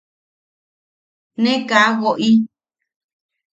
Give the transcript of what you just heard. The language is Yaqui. –Ne kaa woʼi.